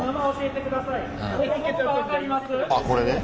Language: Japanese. あこれね。